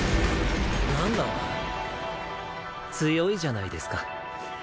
なんだ強いじゃないですか。